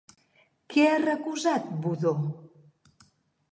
Què ha recusat Budó?